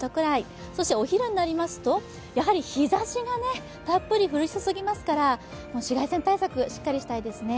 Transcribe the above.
お昼になりますと、やはり日ざしがたっぷり降り注ぎますから紫外線対策、しっかりしたいですね。